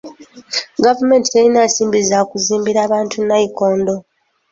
Gavumenti terina nsimbi za kuzimbira bantu nayikondo.